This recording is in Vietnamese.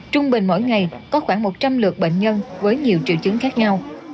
trung bình mỗi ngày có khoảng một trăm linh lượt bệnh nhân với nhiều triệu chứng khác nhau